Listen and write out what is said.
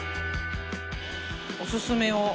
おすすめを。